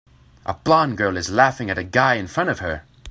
A blond girl is laughing at a guy in front of her.